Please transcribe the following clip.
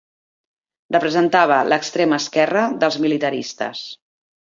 Representava l'extrema esquerra dels militaristes.